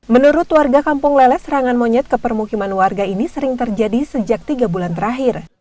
menurut warga kampung leles serangan monyet ke permukiman warga ini sering terjadi sejak tiga bulan terakhir